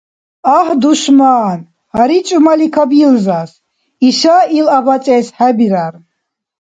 Агь, душман. Гьари чӀумали кабилзас, иша ил абацӀес хӀебирар